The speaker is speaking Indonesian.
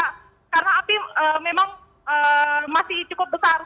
karena api memang masih cukup besar